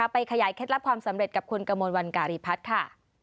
ไปขยายเคล็ดลับความสำเร็จกับคุณกระมวลวันการีพัฒน์ค่ะ